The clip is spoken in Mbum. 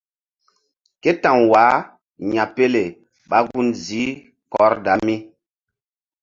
Ké ta̧w wah ya̧pele ɓa gun ziih Kordami.